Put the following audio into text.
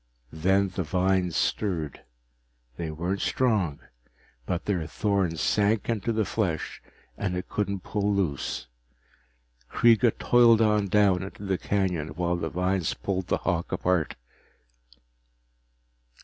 Then the vines stirred. They weren't strong, but their thorns sank into the flesh and it couldn't pull loose. Kreega toiled on down into the canyon while the vines pulled the hawk apart.